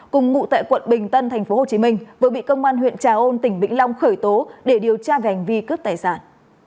cùng ngụ tại quận bình tân tp hcm vừa bị công an huyện trà ôn tỉnh vĩnh long khởi tố để điều tra về hành vi cướp tài sản